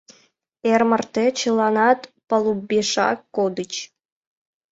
Эр марте чыланат палубешак кодыч.